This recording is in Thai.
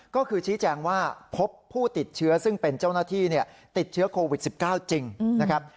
ก็คือชี้แจงว่าพบผู้ติดเชื้อซึ่งเป็นเจ้าหน้าที่ติดเชื้อโควิด๑๙จริงนะครับ